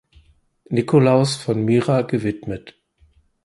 Nikolaus von Myra gewidmet.